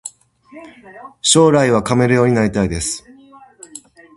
将来はカメレオンになりたいです